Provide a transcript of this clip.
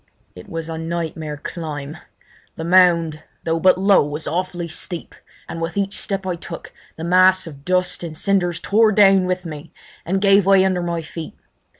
It was a nightmare climb. The mound, though but low, was awfully steep, and with each step I took the mass of dust and cinders tore down with me and gave way under my feet.